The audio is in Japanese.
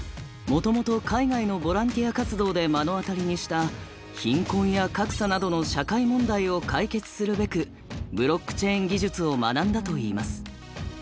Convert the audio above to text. もともと海外のボランティア活動で目の当たりにした貧困や格差などの社会問題を解決するべくブロックチェーン技術を学んだといいます。